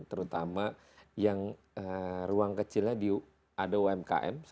terutama yang ruang kecilnya ada umkm